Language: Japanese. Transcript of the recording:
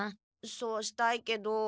そうしたいけど。